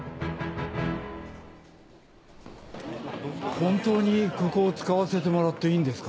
本当にここを使わせてもらっていいんですか？